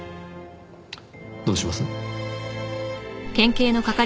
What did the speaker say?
どうします？